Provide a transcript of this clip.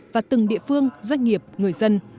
và từng địa phương doanh nghiệp người dân